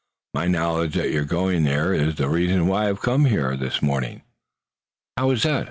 My knowledge that you're going there is the reason why I've come here this morning." "How is that?"